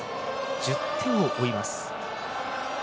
１０点を追います。